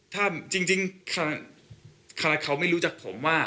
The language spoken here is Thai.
ถ้าจริงเขาไม่รู้จักผมว่า